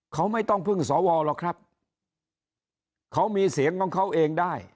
เขาไม่ต้องพึ่งสวหรอกครับเขามีเสียงของเขาเองได้